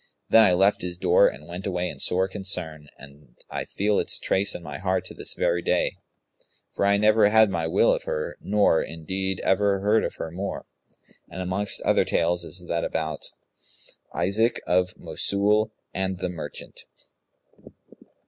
Then I left his door and went away in sore concern, and I feel its trace in my heart to this very day; for I never had my will of her nor, indeed, ever heard of her more." And amongst other tales is that about ISAAC OF MOSUL AND THE MERCHANT.